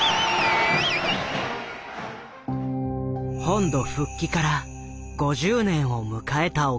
本土復帰から５０年を迎えた沖縄。